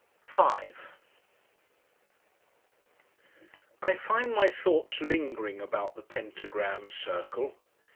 5 I find my thoughts lingering about the Pentagram Circle.